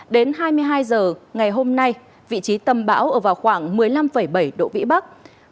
đến hai mươi hai h ngày hôm nay vị trí tâm bão ở vào khoảng một mươi năm bảy độ vĩ bắc